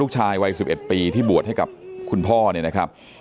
ลูกชายวัย๑๘ขวบบวชหน้าไฟให้กับพุ่งชนจนเสียชีวิตแล้วนะครับ